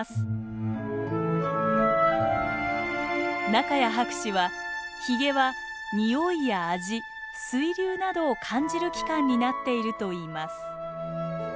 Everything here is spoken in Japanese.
仲谷博士はヒゲはニオイや味水流などを感じる器官になっているといいます。